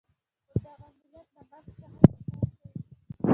خو دغه ملت له مرګ څخه انکار کوي.